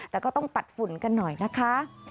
แต่ก็ต้องปัดฝุ่นกันหน่อยนะคะ